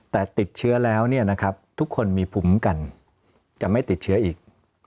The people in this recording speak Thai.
แต่ติดเชื้อแล้วทุกคนมีภูมิกันจะไม่ติดเชื้ออีก